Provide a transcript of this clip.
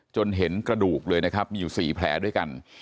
เห็นกระดูกเลยนะครับมีอยู่๔แผลด้วยกัน